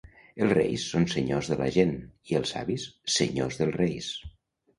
Els reis són senyors de la gent, i els savis, senyors dels reis.